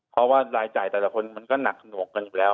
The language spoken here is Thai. เพราะว่ารายจ่ายแต่ละคนมันก็หนักหนวกกันอยู่แล้ว